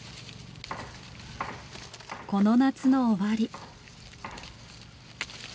この夏の終わり。